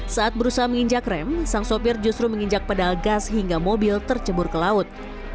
saat berusaha menginjak rem sang sopir justru menginjak pedal gas hingga mobil tercebur ke laut